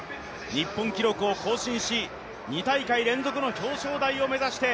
日本記録を更新し、２大会連続の表彰台を目指して